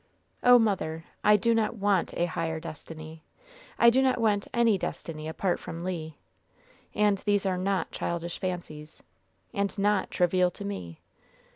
"Oh, mother, I do not want a higher destiny! I do not want any destiny apart from Le. And these are not childish fancies, and not trivial to me!